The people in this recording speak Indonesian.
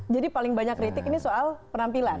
jadi paling banyak kritik ini soal penampilan